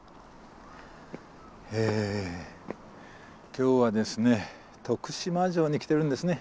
今日はですね徳島城に来てるんですね。